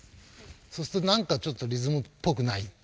そうすると何かちょっとリズムっぽくない。